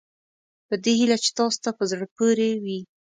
په دې هیله چې تاسوته په زړه پورې وي.